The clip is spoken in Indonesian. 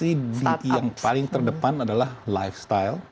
yang pasti yang paling terdepan adalah lifestyle